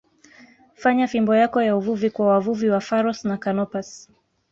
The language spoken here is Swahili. fanya fimbo yako ya uvuvi kwa wavuvi wa Pharos na Canopus